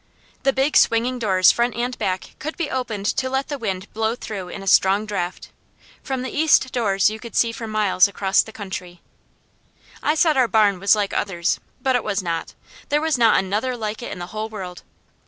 The big swinging doors front and back could be opened to let the wind blow through in a strong draft. From the east doors you could see for miles across the country. I said our barn was like others, but it was not. There was not another like it in the whole world.